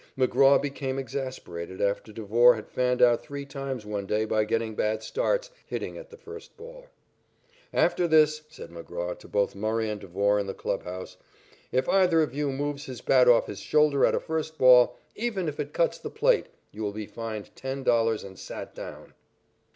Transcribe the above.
McGraw became exasperated after Devore had fanned out three times one day by getting bad starts, hitting at the first ball. "After this," said McGraw to both Murray and Devore in the clubhouse, "if either of you moves his bat off his shoulder at a first ball, even if it cuts the plate, you will be fined $10 and sat down."